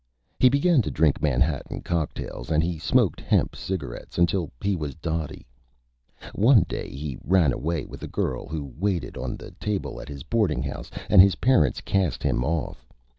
He began to drink Manhattan Cocktails, and he smoked Hemp Cigarettes until he was Dotty. One Day he ran away with a Girl who waited on the Table at his Boarding House, and his Parents Cast him Off.